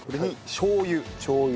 しょう油。